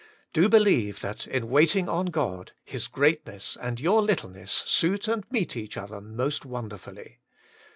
Do believe that in waiting on God, His greatness and your littleness suit and meet each other most wonderfully.